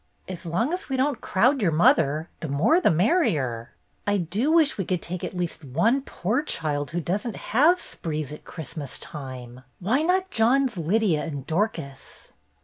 "As long as we don't crowd your mother, the more the merrier. I do wish we could take at least one poor child who does n't have 'sprees ' at Christmas time. Why not John's Lydia and Dorcas?"